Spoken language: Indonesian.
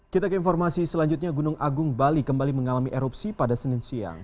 kita ke informasi selanjutnya gunung agung bali kembali mengalami erupsi pada senin siang